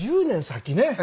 １０年先ね。